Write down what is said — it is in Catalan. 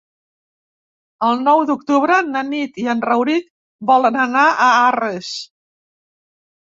El nou d'octubre na Nit i en Rauric volen anar a Arres.